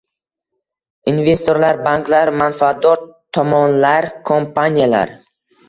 Investorlar, banklar, manfaatdor tomonlar, kompaniyalar